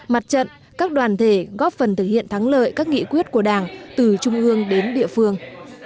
mặt trận các đoàn thể góp phần thực hiện thắng lợi các nghị quyết của đảng từ trung ương đến địa phương